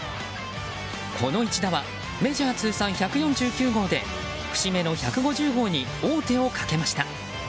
この一打はメジャー通算１４９号で節目の１５０号に王手をかけました。